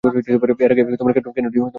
এর আগে এই কেন্দ্রটি বিদ্যমান ছিল না।